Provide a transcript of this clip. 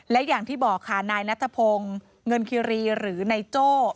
และอย่างที่บอกค่ะนายนัทพงศ์เงินคิรีหรือนายโจ้